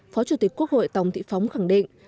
phó chủ tịch quốc hội tòng thị phóng khẳng định